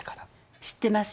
知ってますよ